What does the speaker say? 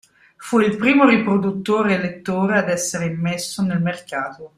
Fu il primo riproduttore e lettore ad essere immesso nel mercato.